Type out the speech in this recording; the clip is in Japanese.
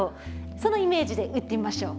そのイメージで打ってみましょう。